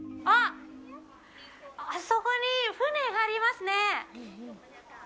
あそこに舟がありますね。